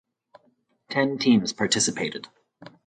Ten teams participated.